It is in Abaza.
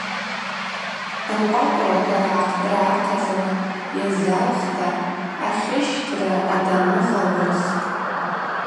Анкъвакъвраква ргӏахътӏра ахъазла йазалхта Ахьыщьтра адамыгъа лырхтӏ.